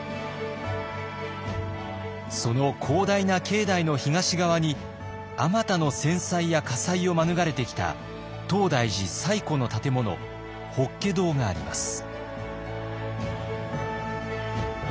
その広大な境内の東側にあまたの戦災や火災を免れてきた東大寺最古の建物法華堂があります。